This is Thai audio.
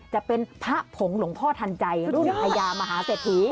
จะเป็นพระผงหลวงพ่อทันใจรุ่นพญามหาเศรษฐี